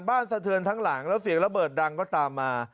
สะเทือนทั้งหลังแล้วเสียงระเบิดดังก็ตามมา